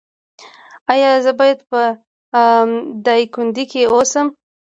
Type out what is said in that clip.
ایا زه باید په دایکندی کې اوسم؟